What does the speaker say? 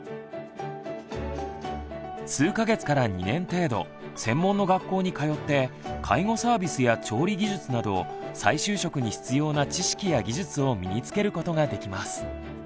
数か月から２年程度専門の学校に通って介護サービスや調理技術など再就職に必要な知識や技術を身につけることができます。